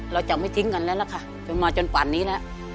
เราจะไม่ทิ้งกันแล้วล่ะค่ะจนมาจนกว่านี้แล้ว